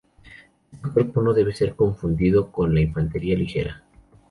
Este cuerpo no debe ser confundido con la infantería ligera.